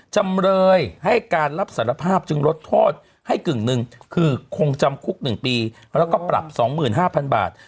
จำเลยให้การรับสารภาพจึงลดโทษให้กึ่งหนึ่งคือคงจำคุก๑ปีแล้วก็ปรับ๒๕๐๐๐บาท